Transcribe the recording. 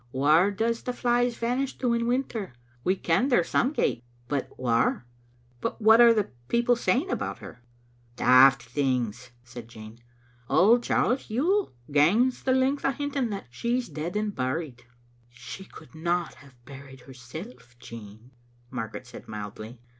Whaur does the flies vanish to in winter? We ken they're some gait, but whaur?" " But what are the people saying about her?" " Daft things," said Jean. " Old Charles Yuill gangs the length o' hinting that she's dead and buried." " She could not have buried herself, Jean," Margaret said, mildly.